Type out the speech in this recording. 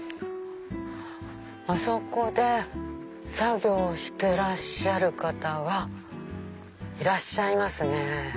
あそこで作業してらっしゃる方がいらっしゃいますね。